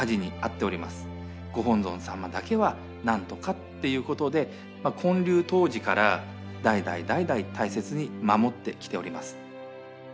御本尊様だけは何とかっていうことで建立当時から代々代々大切に守ってきております。